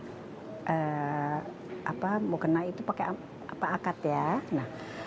saya menggunakan akad yang berbentuk yang berbentuk